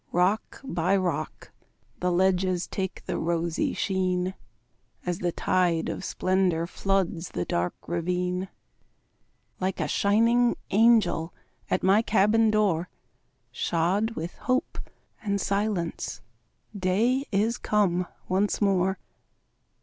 Rock by rock the ledges Take the rosy sheen, As the tide of splendor Floods the dark ravine. Like a shining angel At my cabin door, Shod with hope and silence, Day is come once more.